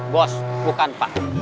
bos bukan pak